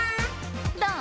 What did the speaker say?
どう？